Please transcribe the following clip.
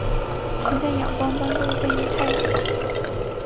曾在仰光帮助建立太阳报。